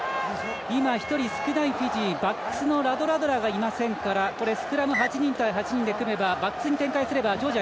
今、１人少ないフィジーバックスのラドラドラがいませんからスクラム８人対８人バックスに展開すればジョージア